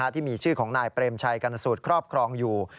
ที่มีชื่อของนายเปรมชัยกรรณสูตรครอบครองอยู่